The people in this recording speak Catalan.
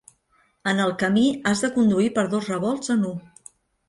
En el camí has de conduir per dos revolts en U.